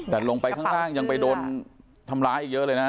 แต่ลงไปข้างล่างยังไปโดนทำร้ายอีกเยอะเลยนะ